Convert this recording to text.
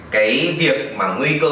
cái việc mà nguy cơ